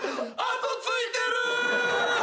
痕ついてる。